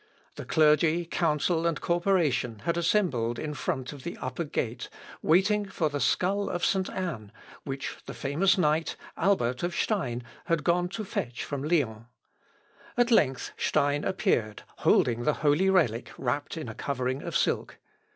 The clergy, council, and corporation had assembled in front of the Upper Gate, waiting for the skull of St. Anne, which the famous knight, Albert of Stein, had gone to fetch from Lyons. At length Stein appeared, holding the holy relic wrapt in a covering of silk.